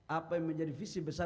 apa yang menjadi visi besar